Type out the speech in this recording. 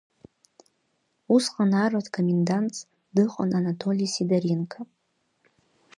Усҟан арратә коммендантс дыҟан Анатоли Сидоренко.